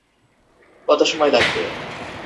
কত সময় লাগবে?